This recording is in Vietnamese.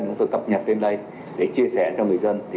chúng tôi cập nhật lên đây để chia sẻ cho người dân